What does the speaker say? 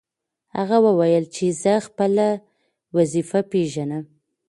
هغه وویل چې زه خپله وظیفه پېژنم.